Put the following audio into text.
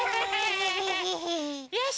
よし！